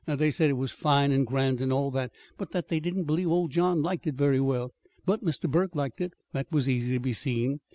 They said it was fine and grand, and all that, but that they didn't believe old John liked it very well. But Mr. Burke liked it. That was easy to be seen.